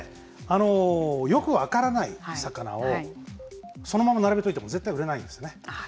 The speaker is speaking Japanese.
よく分からない魚をそのまま並べといても絶対売れないんですね。